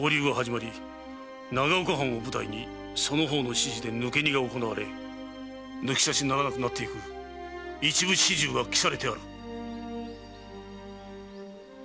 長岡藩を舞台にその方の指示で抜け荷が行われ抜き差しならなくなっていく一部始終が記されてある。